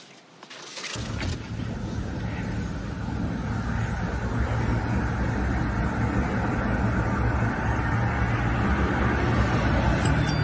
อยากเล่นอย่างแรงด้วยนะคะ